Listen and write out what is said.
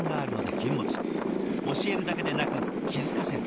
教えるだけでなく気付かせる。